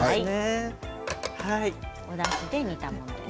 おだしで煮たものです。